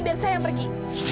biar saya yang pergi